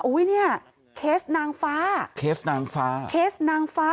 โอ้ยเนี่ยเคสนางฟ้าเคสนางฟ้า